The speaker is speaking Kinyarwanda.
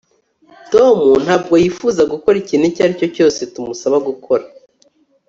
Tom ntabwo yifuza gukora ikintu icyo ari cyo cyose tumusaba gukora